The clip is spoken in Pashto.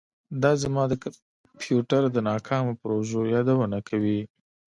دا زما د کمپیوټر د ناکامو پروژو یادونه کوي